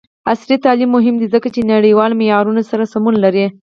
عصري تعلیم مهم دی ځکه چې نړیوالو معیارونو سره سمون لري.